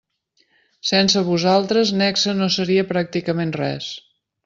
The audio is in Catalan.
Sense vosaltres Nexe no seria pràcticament res.